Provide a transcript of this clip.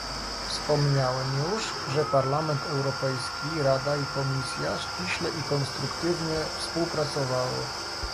Wspomniałem już, że Parlament Europejski, Rada i Komisja ściśle i konstruktywnie współpracowały